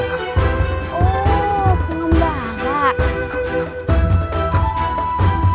kamu berurusan dengan aku